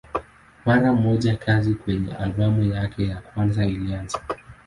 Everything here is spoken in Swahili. Mara moja kazi kwenye albamu yake ya kwanza ilianza.